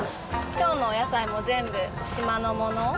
きょうのお野菜も全部、島のもの。